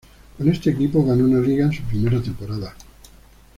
Con este equipo gana una Liga en su primera temporada.